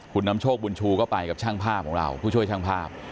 คุณนำโชคบุญชูก็ไปกับช่างภาพของเราผู้ช่วยช่างภาพ